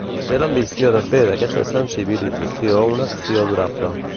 Té l'ambició de fer d'aquesta sensibilització una acció durable.